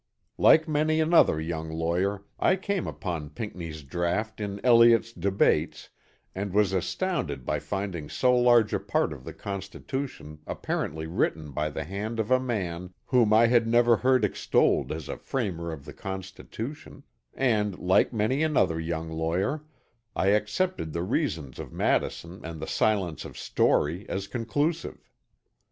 Like many another young lawyer I came upon Pinckney's draught in Elliot's Debates and was astounded by finding so large a part of the Constitution apparently written by the hand of a man whom I had never heard extolled as a framer of the Constitution; and like many another young lawyer, I accepted the reasons of Madison and the silence of Story as conclusive.